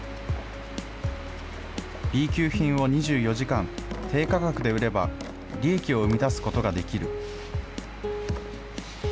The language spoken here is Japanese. Ｂ級品を２４時間、低価格で売れば、利益を生み出すことができる。